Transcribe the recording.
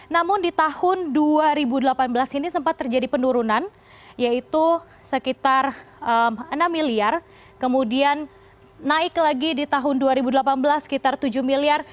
namun di tahun dua ribu delapan belas ini sempat terjadi penurunan yaitu sekitar enam miliar kemudian naik lagi di tahun dua ribu delapan belas sekitar tujuh miliar